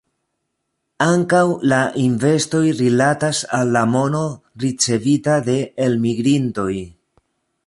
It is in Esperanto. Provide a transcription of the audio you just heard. Ankaŭ la investoj rilatas al la mono ricevita de elmigrintoj.